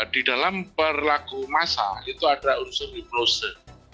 di dalam berlaku masa itu ada unsur ribose